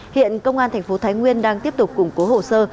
hiện công an tp thái nguyên đang tiếp tục củng cố hồ sơ